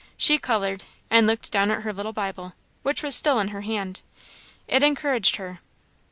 She coloured, and looked down at her little Bible, which was still in her hand. It encouraged her.